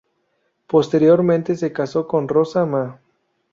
Posteriormente se casó con Rosa Ma.